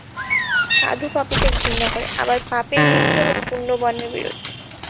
সাধু পাপীকে ঘৃণা করে, আবার পাপীর বিদ্রোহ পুণ্যবানের বিরুদ্ধে।